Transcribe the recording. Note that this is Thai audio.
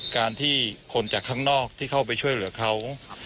การที่คนจากข้างนอกที่เข้าไปช่วยเหลือเขา